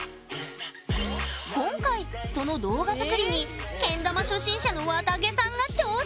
今回その動画作りにけん玉初心者のわたげさんが挑戦！